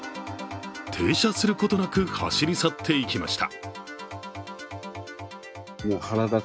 停車することなく走り去っていきました。